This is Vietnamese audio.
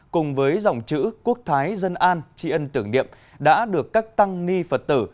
cùng với dòng chữ quốc thái dân an tri ân tưởng điệm đã được các tăng ni phật tử